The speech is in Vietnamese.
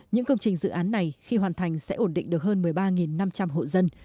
những công trình dự án này khi hoàn thành sẽ ổn định được hơn một mươi ba năm trăm linh hộ dân